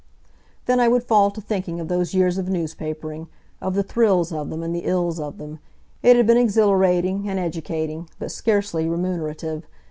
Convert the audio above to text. Then I would fall to thinking of those years of newspapering of the thrills of them, and the ills of them. It had been exhilarating, and educating, but scarcely remunerative.